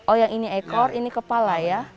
oh yang ini ekor ini kepala ya